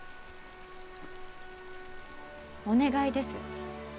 お願いです。